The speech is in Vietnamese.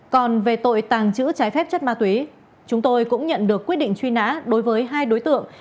còn về tội tàng trữ trái phép chất ma túy chúng tôi cũng nhận được quyết định truy nã đối với hai đối tượng